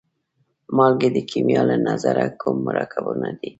مالګې د کیمیا له نظره کوم مرکبونه دي؟